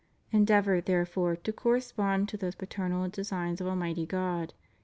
Endeavor, therefore, to correspond to those paternal designs of Almighty God.